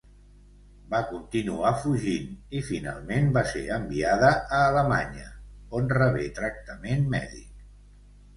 Va continuar fugint i finalment va ser enviada a Alemanya, on rebé tractament mèdic.